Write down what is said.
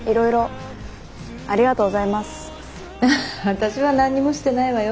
私は何にもしてないわよ。